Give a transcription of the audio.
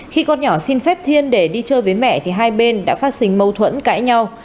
khi con nhỏ xin phép thiên để đi chơi với mẹ thì hai bên đã phát sinh mâu thuẫn cãi nhau